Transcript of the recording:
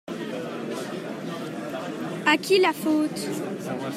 À qui la faute ?